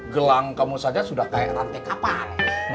gelang kamu saja sudah kayak rantai kapal